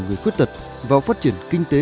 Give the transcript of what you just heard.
người khuyết tật vào phát triển kinh tế